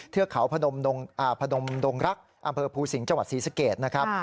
เทือกเขาพนมดงรักอำเภอภูสิงห์จังหวัดศรีสเกตนะครับ